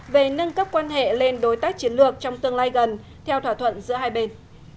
về nâng cấp quan hệ lên đối tác chiến lược trong tương lai gần theo thỏa thuận giữa hai bên